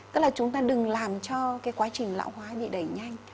tức là chúng ta đừng làm cho cái quá trình lão hóa bị đẩy nhanh